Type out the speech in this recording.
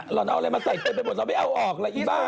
เราเอาอะไรมาใส่เต็มไปหมดเราไม่เอาออกเลยอีบ้า